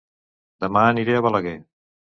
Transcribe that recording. Dema aniré a Balaguer